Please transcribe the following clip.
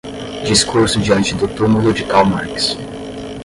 Discurso Diante do Tumulo de Karl Marx